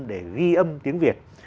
để ghi âm tiếng việt